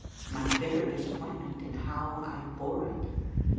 — MY BITTER DISAPPOINTMENT, AND HOW I BORE IT.